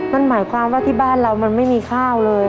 นั่นหมายความว่าที่บ้านเรามันไม่มีข้าวเลย